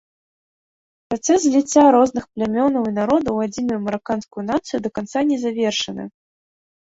Працэс зліцця розных плямёнаў і народаў у адзіную мараканскую нацыю да канца не завершаны.